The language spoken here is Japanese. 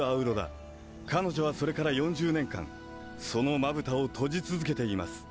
彼女はそれから４０年間その瞼を閉じ続けています。